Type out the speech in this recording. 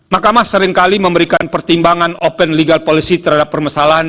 mahkamah seringkali memberikan pertimbangan open legal policy terhadap permasalahan